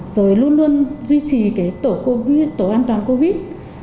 rồi luôn luôn duy trì tổ an toàn covid